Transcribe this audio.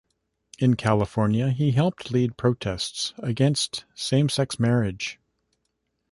In California, he helped lead protests against same-sex marriage.